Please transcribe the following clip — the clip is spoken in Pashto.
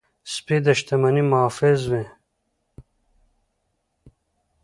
سپي د شتمنۍ محافظ وي.